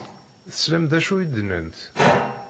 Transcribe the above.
Teslam d acu i d-nnant?